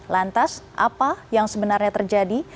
lantas apa yang sebenarnya terjadi